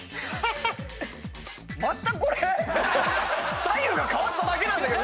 またこれ⁉左右が変わっただけなんだけど。